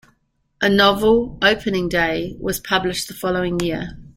A novel, "Opening Day", was published the following year.